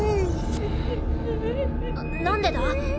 何でだ？